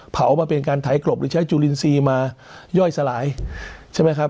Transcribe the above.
มาเป็นการไถกรบหรือใช้จุลินทรีย์มาย่อยสลายใช่ไหมครับ